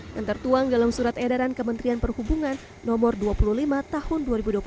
yang tertuang dalam surat edaran kementerian perhubungan no dua puluh lima tahun dua ribu dua puluh satu